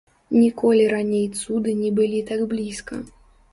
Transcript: Ніколі раней цуды не былі так блізка.